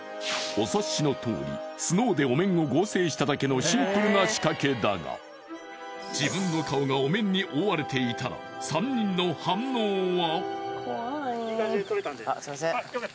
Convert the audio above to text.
お察しのとおりＳＮＯＷでお面を合成しただけのシンプルな仕掛けだが自分の顔がお面に覆われていたら３人の反応は？